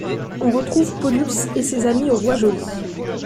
On retrouve Pollux et ses amis au Bois joli.